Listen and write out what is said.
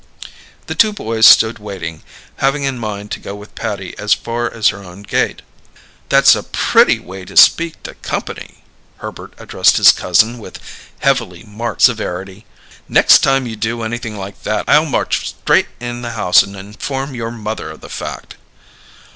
The two boys stood waiting, having in mind to go with Patty as far as her own gate. "That's a pretty way to speak to company!" Herbert addressed his cousin with heavily marked severity. "Next time you do anything like that I'll march straight in the house and inform your mother of the fact."